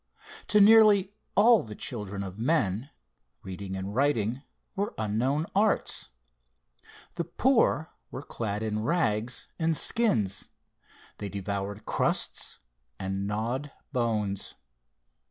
To nearly all the children of men, reading and writing were unknown arts. The poor were clad in rags and skins they devoured crusts, and gnawed bones.